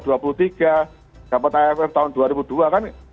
dapat aff tahun dua ribu dua kan